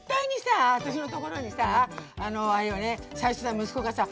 私のところにさあれよね最初さ息子がさ